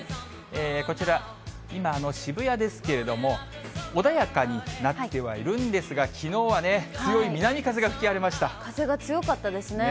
こちら、今の渋谷ですけれども、穏やかになってはいるんですが、きのうはね、強い南風が吹き荒れ風が強かったですね。